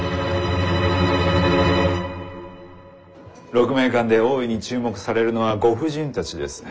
鹿鳴館で大いに注目されるのはご婦人たちです。